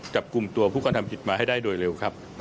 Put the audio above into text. จับกลุ่มตัวผู้กระทำผิดมาให้ได้โดยเร็วครับ